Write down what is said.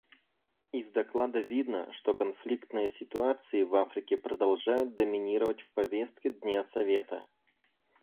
Из доклада видно, что конфликтные ситуации в Африке продолжают доминировать в повестке дня Совета.